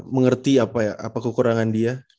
mengerti apa kekurangan dia